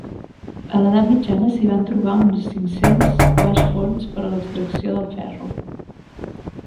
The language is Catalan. A l'edat mitjana s'hi van trobar unes cinc-cents baix forns per a l'extracció del ferro.